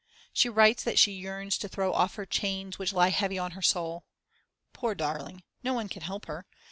She writes that she yearns to throw off her chains which lie heavy on her soul. Poor darling. No one can help her.